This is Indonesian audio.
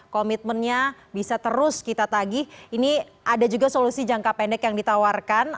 komitmennya bisa terus kita tagih ini ada juga solusi jangka pendek yang ditawarkan